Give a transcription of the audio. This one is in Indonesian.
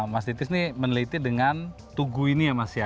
mas titis nih meneliti dengan tugu ini ya mas ya